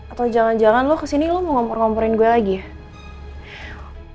atau jangan jangan lo kesini lo mau nmpor ngomporin gue lagi ya